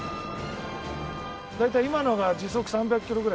大体今のが時速３００キロぐらいですから。